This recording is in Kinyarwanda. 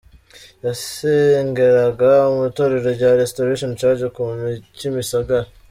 Yasengeraga mu Itorero rya Restoration Church ku Kimisagara.